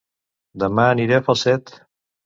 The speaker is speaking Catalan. Dema aniré a Falset